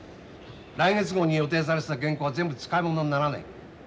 来月号に予定されてた原稿が全部使い物にならない。